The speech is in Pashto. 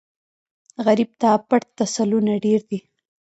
غریب ته پټ تسلونه ډېر دي